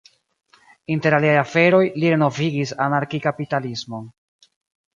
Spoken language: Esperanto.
Inter aliaj aferoj, li renovigis anarki-kapitalismon.